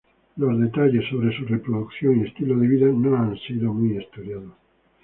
Detalles sobre su reproducción y estilo de vida no han sido muy estudiados.